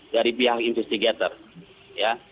dari pihak investigator ya